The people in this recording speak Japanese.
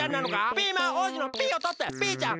ピーマン王子の「ピー」をとってピーちゃん！